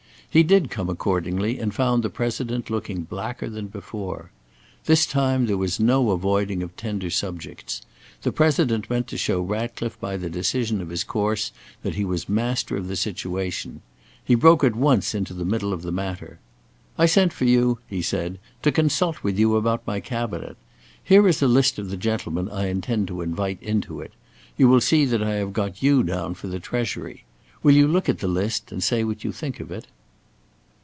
He did come accordingly, and found the President looking blacker than before. This time there was no avoiding of tender subjects. The President meant to show Ratcliffe by the decision of his course, that he was master of the situation. He broke at once into the middle of the matter: "I sent for you," said he, "to consult with you about my Cabinet. Here is a list of the gentlemen I intend to invite into it. You will see that I have got you down for the Treasury. Will you look at the list and say what you think of it?"